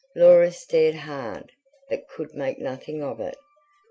Laura stared hard, but could make nothing of it.